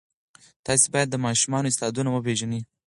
تاسې باید د ماشومانو استعدادونه وپېژنئ.